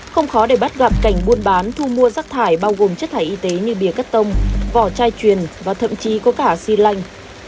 không khó để bắt gặp cảnh buôn bán thu mua rắc thải bao gồm chất thải y tế như bìa cắt tông vỏ chai truyền và thậm chí có cả xi lanh